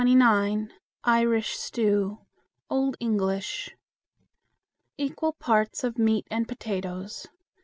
Irish Stew (Old English). Equal parts of meat and potatoes.